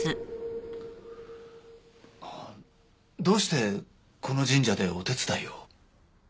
どうしてこの神社でお手伝いを？